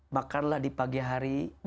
makanlah di pagi hari